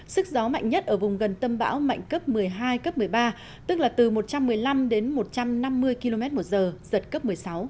sức gió mạnh nhất ở vùng gần tâm bão mạnh cấp một mươi hai cấp một mươi ba tức là từ một trăm một mươi năm đến một trăm năm mươi km một giờ giật cấp một mươi sáu